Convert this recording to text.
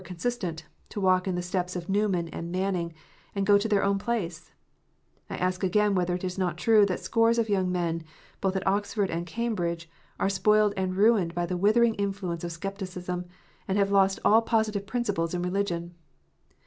consistent, to walk in the steps of Newman and Manning, and go to their own place 1 I ask again whether it is not true that scores of young men, both at Oxford and Cambridge, are spoiled and ruined by the withering influence of scepticism, and have lost all positive principles in religion